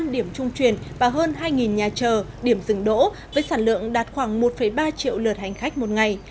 năm điểm trung truyền và hơn hai nhà chờ điểm dừng đỗ với sản lượng đạt khoảng một ba triệu lượt hành khách một ngày